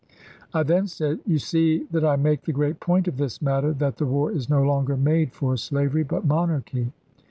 I then import, said, ' You see that I make the great point of this jan^ i86& matter that the war is no longer made for slavery, but monarchy.